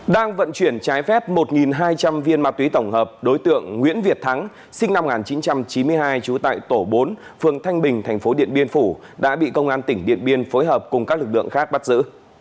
đang vận chuyển trái phép một hai trăm linh viên ma túy tổng hợp đối tượng nguyễn việt thắng sinh năm một nghìn chín trăm chín mươi hai trú tại tổ bốn phường thanh bình thành phố điện biên phủ đã bị công an tỉnh điện biên phối hợp cùng các lực lượng khác bắt giữ